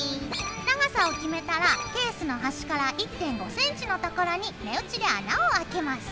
長さを決めたらケースの端から１．５ｃｍのところに目打ちで穴をあけます。